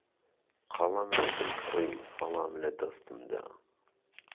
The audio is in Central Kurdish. قەڵەمێکم کڕی، بەڵام لەدەستم دا.